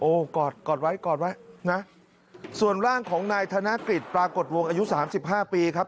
โอ้กอดไว้นะส่วนร่างของนายธนกิจปรากฎวงอายุ๓๕ปีครับ